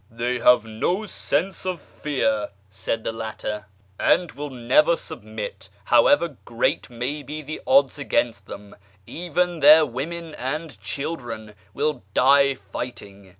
" They have no sense of fear," said the latter. I 366 A YEAR AMONGST THE PERSIANS " and will never submit, however great may be the odds against them ; even their women and children will die fighting.